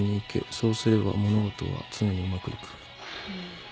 そうすれば物事は常にうまくいく。